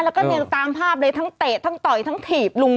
แล้วก็เนี่ยตามภาพเลยทั้งเตะทั้งต่อยทั้งถีบลุง